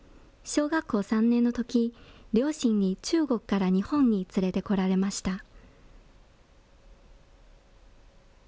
小学校３年のとき、両親に中国から日本に連れてこられました。